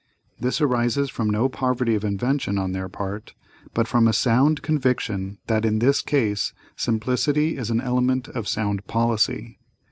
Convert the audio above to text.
This arises from no poverty of invention on their part, but from a sound conviction that in this case, simplicity is an element of sound policy.